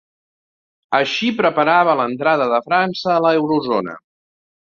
Així preparava l'entrada de França a l'eurozona.